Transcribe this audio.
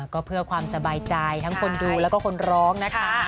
ก็เพื่อความสบายใจทั้งคนดูแล้วก็คนร้องนะคะ